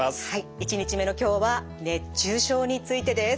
１日目の今日は熱中症についてです。